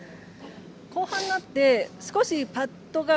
後半になって少しパットが